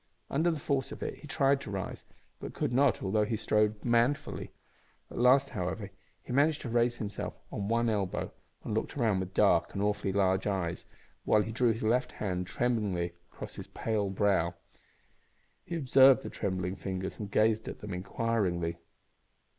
Under the force of it he tried to rise, but could not although he strove manfully. At last, however, he managed to raise himself on one elbow, and looked round with dark and awfully large eyes, while he drew his left hand tremblingly across his pale brow. He observed the trembling fingers and gazed at them inquiringly.